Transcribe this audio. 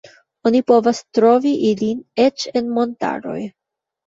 Oni povas trovi ilin eĉ en montaroj.